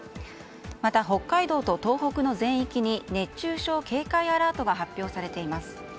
また、北海道と東北の全域に熱中症警戒アラートが発表されています。